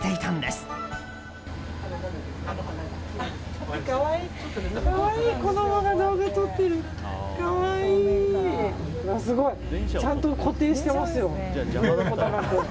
すごい、ちゃんと固定してますよ。